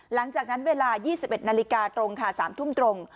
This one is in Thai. หลังจากนั้นเวลา๒๑นาฬิกาตรงค่ะ๓ทุ่มตรง